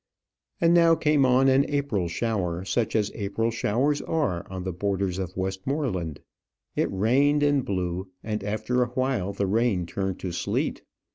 And now came on an April shower, such as April showers are on the borders of Westmoreland. It rained and blew; and after a while the rain turned to sleet.